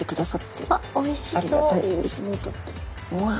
あっおいしそう！